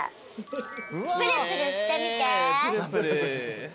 プルプルしてみて。